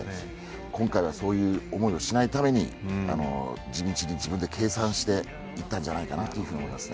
今回は、そういう思いをしないために地道に自分で計算していったんじゃないかと思いますね。